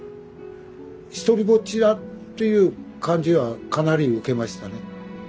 独りぼっちだっていう感じはかなり受けましたね。